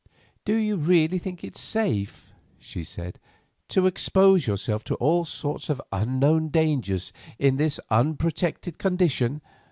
"Do you really think it safe," she said, "to expose yourself to all sorts of unknown dangers in this unprotected condition?"